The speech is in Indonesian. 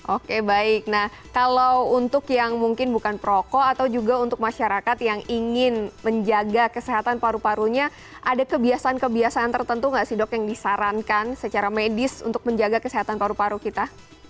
oke baik nah kalau untuk yang mungkin bukan perokok atau juga untuk masyarakat yang ingin menjaga kesehatan paru parunya ada kebiasaan kebiasaan tertentu nggak sih dok yang disarankan secara medis untuk menjaga kesehatan paru paru kita